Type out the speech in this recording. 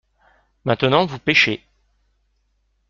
Maintenant vous pêchez.